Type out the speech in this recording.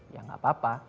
ya enggak apa apa